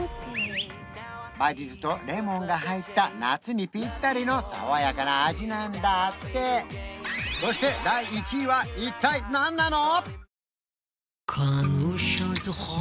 バジルとレモンが入った夏にピッタリの爽やかな味なんだってそして第１位は一体何なの？